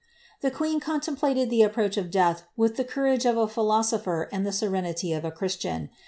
The queen contemplated the approach of death with the courage of a philosopher and the serenity of a Christian.